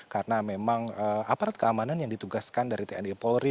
karena memang aparat keamanan yang ditugaskan dari tni polri